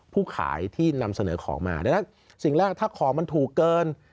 ผู้ขายที่นำเสนอของมาดังนั้นสิ่งแรกถ้าของมันถูกเกิน